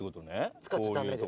使っちゃダメです。